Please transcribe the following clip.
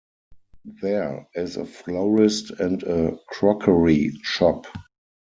There is a florist and a crockery shop.